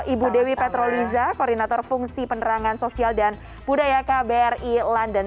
ibu dewi petroliza koordinator fungsi penerangan sosial dan budaya kbri london